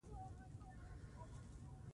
د پیوند کولو له لارې د میوو نسل ښه کیږي.